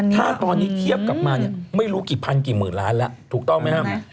ถ้าตอนนี้เทียบกลับมาเนี่ยไม่รู้กี่พันกี่หมื่นล้านแล้วถูกต้องไหมครับ